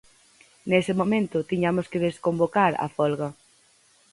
Nese momento, tiñamos que desconvocar a folga.